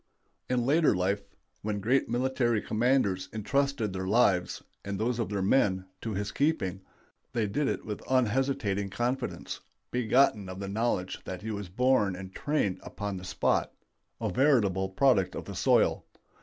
In later life, when great military commanders intrusted their lives, and those of their men, to his keeping, they did it with an unhesitating confidence, begotten of the knowledge that he was born and trained upon the spot; a veritable product of the soil.